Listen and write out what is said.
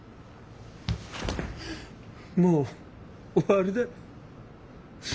もう終わりだ。